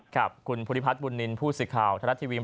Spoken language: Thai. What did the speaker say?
ครับสวัสดีครับ